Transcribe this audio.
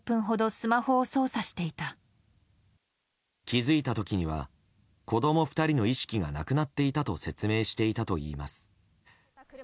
気づいた時には子供２人の意識がなくなっていたと説明していたといいます。